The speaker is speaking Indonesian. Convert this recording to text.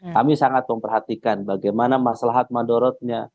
kami sangat memperhatikan bagaimana masalah ahmad dorotnya